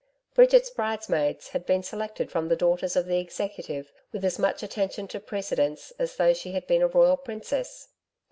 Bridget's bridesmaids had been selected from the daughters of the Executive with as much attention to precedence as though she had been a royal princess.